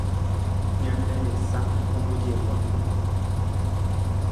Ñande resa ombojegua